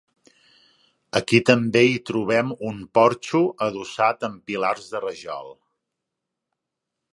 Aquí també hi trobem un porxo adossat amb pilars de rajol.